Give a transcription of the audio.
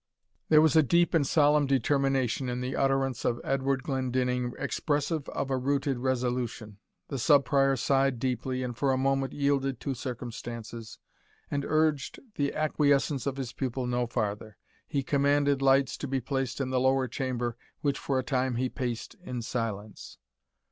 There was a deep and solemn determination in the utterance of Edward Glendinning expressive of a rooted resolution. The Sub Prior sighed deeply, and for the moment yielded to circumstances, and urged the acquiescence of his pupil no farther. He commanded lights to be placed in the lower chamber, which for a time he paced in silence.